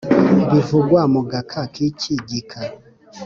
bivugwa mu gaka k icyi gika